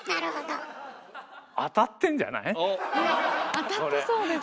当たってそうです。